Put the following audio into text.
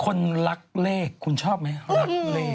คนรักเลขคุณชอบมั้ยหรอ